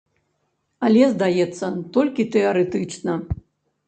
Але, здаецца, толькі тэарэтычна.